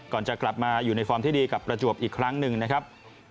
ก่อนจะกลับมาอยู่ในฟอร์มที่ดีกับประจวบอีกครั้งหนึ่งนะครับ